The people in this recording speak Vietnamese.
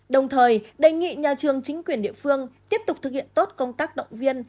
đồng thời đề nghị nhà trường chính quyền địa phương tiếp tục thực hiện tốt công tác động viên